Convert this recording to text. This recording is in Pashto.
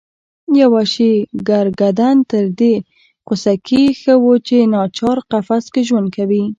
یو وحشي ګرګدن تر دې خوسکي ښه و چې ناچار قفس کې ژوند کوي.